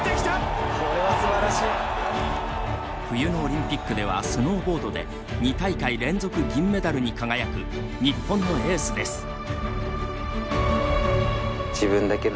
冬のオリンピックではスノーボードで２大会連続銀メダルに輝く日本のエースです。